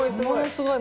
すごい！